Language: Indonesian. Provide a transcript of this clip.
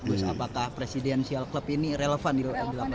bu sutapek apakah presidensial klub ini relevan di l delapan